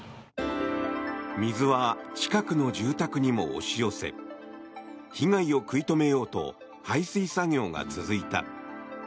水は近くの住宅にも押し寄せ被害を食い止めようと排水作業が続いた。